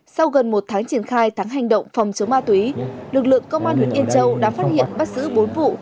sau gần một tháng triển khai tháng hành động phòng chống ma túy lực lượng công an huyện yên châu đã phát hiện bắt xử bốn vụ